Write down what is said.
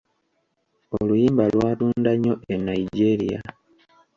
Oluyimba lwatunda nnyo e Nigeria.